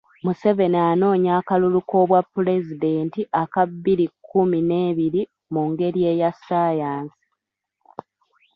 Museveni anoonya akalulu k'obwapulezidenti aka bbiri kkumi n'ebiri mungeri eya ssaayansi .